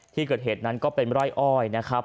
ที่เกิดเหตุนั้นก็เป็นไร่อ้อยนะครับ